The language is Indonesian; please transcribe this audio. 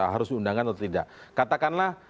harus diundangkan atau tidak katakanlah